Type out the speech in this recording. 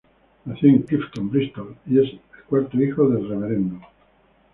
Nació en Clifton, Bristol, y es el cuarto hijo del Rev.